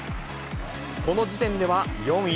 この時点では４位。